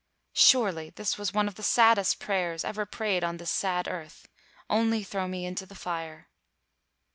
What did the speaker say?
Surely this was one of the saddest prayers ever prayed on this sad earth — 'Only throw me into the fire!'